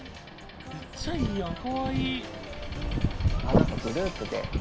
めっちゃいいやんかわいい。